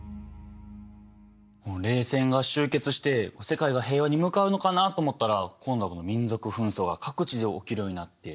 冷戦が終結して世界が平和に向かうのかなと思ったら今度は民族紛争が各地で起きるようになって。